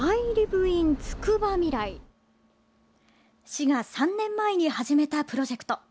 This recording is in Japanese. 市が３年前に始めたプロジェクト。